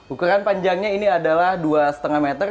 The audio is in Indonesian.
ukuran panjangnya ini adalah dua lima meter